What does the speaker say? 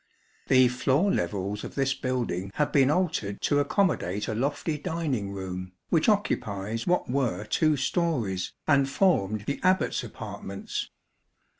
The floor levels of this building have been altered to accommodate a lofty dining room, which occupies what were two storeys, and formed the Abbat's apartments.